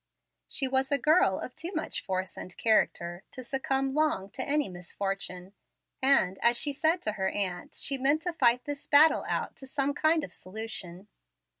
She was a girl of too much force and character to succumb long to any misfortune; and, as she said to her aunt, she meant to fight this battle out to some kind of solution.